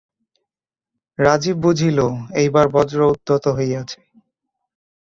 রাজীব বুঝিল, এইবার বজ্র উদ্যত হইয়াছে।